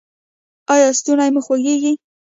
ایا ستونی مو خوږیږي؟